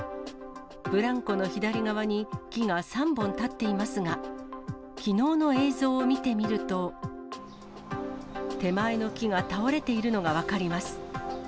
ブランコの左側に、木が３本立っていますが、きのうの映像を見てみると、手前の木が倒れているのが分かります。